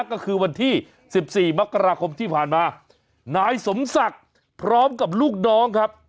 ก็คือวันที่สิบสี่มกราคมที่ผ่านมานายสมศักดิ์พร้อมกับลูกน้องครับ